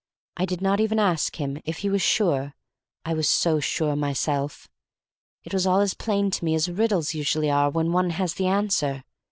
I did not even ask him if he was sure, I was so sure myself. It was all as plain to me as riddles usually are when one has the answer.